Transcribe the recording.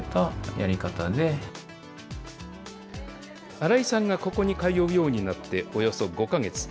荒井さんがここに通うようになって、およそ５か月。